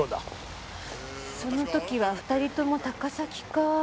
その時は２人とも高崎か。